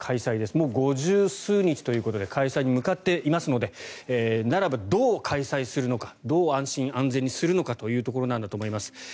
もう５０数日ということで開催に向かっていますのでならば、どう開催するのかどう安心安全にするのかというところだと思います。